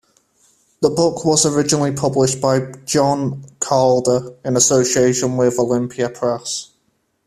The book was originally published by John Calder in association with Olympia Press.